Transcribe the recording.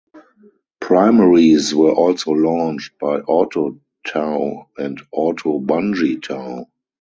Primaries were also launched by auto-tow and auto-bungee tow.